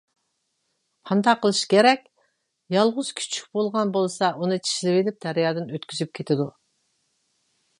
قانداق قىلىش كېرەك؟ يالغۇز كۈچۈك بولغان بولسا ئۇنى چىشلىۋېلىپ دەريادىن ئۆتكۈزۈپ كېتىدۇ.